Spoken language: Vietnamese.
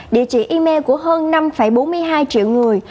địa chỉ email của hơn năm bốn mươi hai triệu người